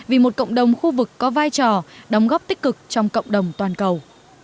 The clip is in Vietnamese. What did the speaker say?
vì một cộng đồng khu vực có vai trò đóng góp tích cực trong cộng đồng toàn cầu